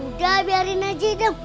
udah biarin aja adam